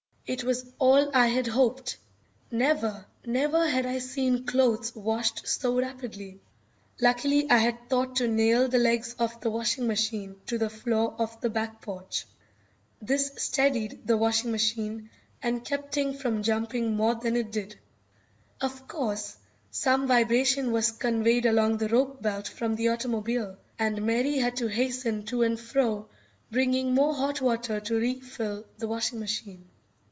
It was all I had hoped. Never, never had I seen clothes washed so rapidly. Luckily I had thought to nail the legs of the washing machine to the floor of the back porch. This steadied the washing machine and kept it from jumping more than it did. Of course, some vibration was conveyed along the rope belt from the automobile, and Mary had to hasten to and fro bringing more hot water to refill the washing machine.